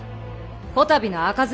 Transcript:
こたびの赤面